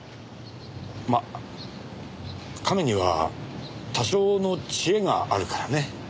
まあ亀には多少の知恵があるからね。